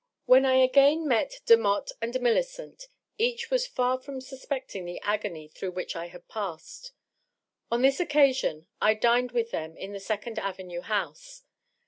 When I again met Demotte and Millicent, each was far from sus pecting the agony through which I had passed. On this occasion I dined with them in the Second Avenue house.